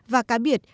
và cá biệt